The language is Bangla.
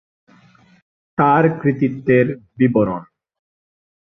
তার কৃতিত্বের বিবরণ